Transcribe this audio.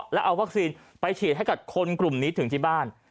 แล้วเอาวัคซีนไปฉีดให้กับคนกลุ่มนี้ถึงที่บ้าน